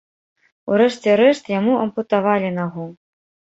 У рэшце рэшт яму ампутавалі нагу.